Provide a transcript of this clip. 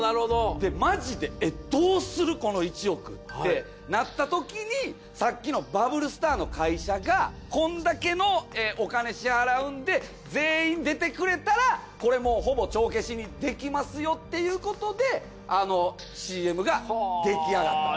でマジでえっどうするこの１億ってなったときにさっきのバブルスターの会社がこんだけのお金支払うんで全員出てくれたらこれもうほぼ帳消しにできますよっていうことであのＣＭが出来上がったと。